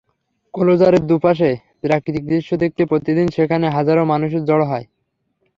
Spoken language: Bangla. ক্লোজারের দুপাশে প্রাকৃতিক দৃশ্য দেখতে প্রতিদিন সেখানে হাজারো মানুষ জড়ো হয়।